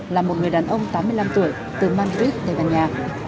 là một người đàn ông tám mươi năm tuổi từ madrid tây ban nha